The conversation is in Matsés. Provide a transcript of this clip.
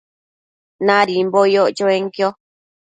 Nadimbo yoc chuenquio